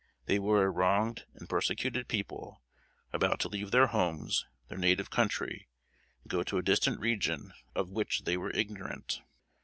They were a wronged and persecuted people, about to leave their homes, their native country, and go to a distant region, of which they were ignorant.